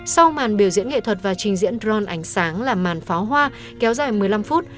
sau màn biểu diễn nghệ thuật và trình diễn dron ánh sáng là màn pháo hoa kéo dài một mươi năm phút